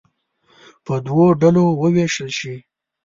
په دوو ډلو ووېشل شي.